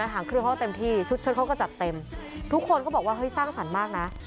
หางเครื่องเขาก็เต็มที่ชุดเชิดเขาก็จัดเต็มทุกคนก็บอกว่าเฮ้ยสร้างสรรค์มากนะ